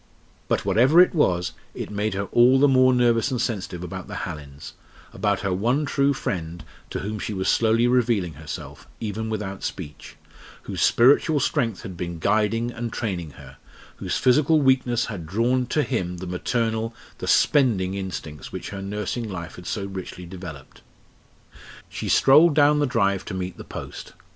But whatever it was, it made her all the more nervous and sensitive about the Hallins; about her one true friend, to whom she was slowly revealing herself, even without speech; whose spiritual strength had been guiding and training her; whose physical weakness had drawn to him the maternal, the spending instincts which her nursing life had so richly developed. She strolled down the drive to meet the post.